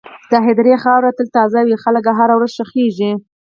د هدیرې خاوره تل تازه وي، خلک هره ورځ ښخېږي.